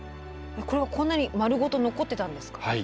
これはこんなに丸ごと残ってたんですか？